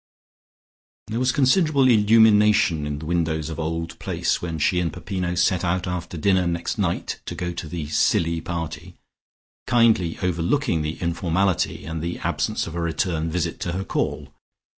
There was a considerable illumination in the windows of Old Place when she and Peppino set out after dinner next night to go to the "silly" party, kindly overlooking the informality and the absence of a return visit to her call.